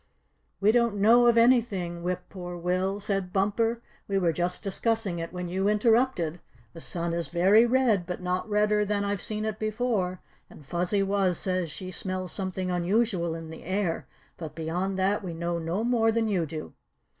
"We don't know of anything, Whip Poor Will," said Bumper. "We were just discussing it when you interrupted. The sun is very red, but not redder than I've seen it before, and Fuzzy Wuzz says she smells something unusual in the air; but beyond that we know no more than you do."